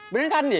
bener kan dih